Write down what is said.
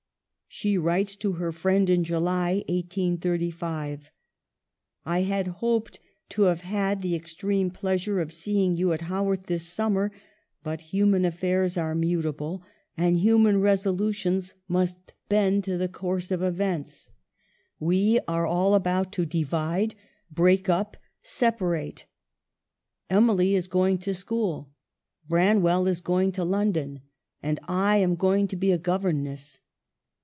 She writes to her friend in July, 1835 :" I had hoped to have had the extreme pleas ure of seeing you at Haworth this summer, but human affairs are mutable, and human resolu tions must bend to the course of events. We GOING TO SCHOOL. 73 are all about to divide, break up, separate. Emily is going to school, Braiiwell is going to London, and I am going to be a governess.